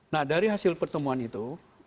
nah dari hasil pertemuan itu